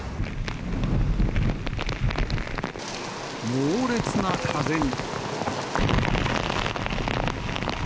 猛烈な風に。